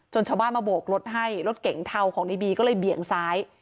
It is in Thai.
ชาวบ้านมาโบกรถให้รถเก๋งเทาของในบีก็เลยเบี่ยงซ้าย